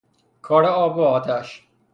کار آب وآتش